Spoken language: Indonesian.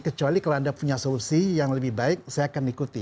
kecuali kalau anda punya solusi yang lebih baik saya akan ikuti